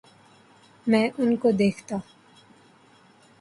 میں ان کو دیکھتا